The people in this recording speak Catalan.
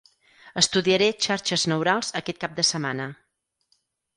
Estudiaré Xarxes Neurals aquest cap de setmana.